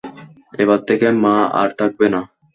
এবার থেকে মা আর থাকবে না।